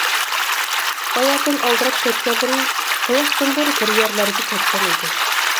باياتىن ئالدىراپ كەتكەنلىرى قاياقتىندۇر بىر يەرلەرگە كەتكەن ئىدى.